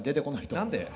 何で？